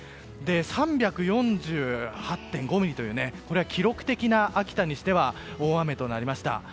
３４８．５ミリというこれは、秋田にしては記録的な大雨となりました。